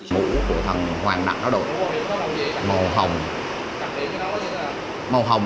dân sơn dương